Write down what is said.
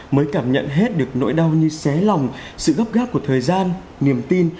mới cảm nhận hết được nỗi đau như xé lòng sự gấp gác của thời gian niềm tin